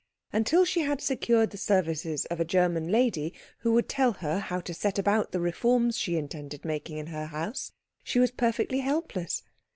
Until she had secured the services of a German lady who would tell her how to set about the reforms she intended making in her house, she was perfectly helpless.